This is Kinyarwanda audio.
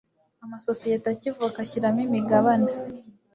amasosiyeti akivuka ashyiramo imigabane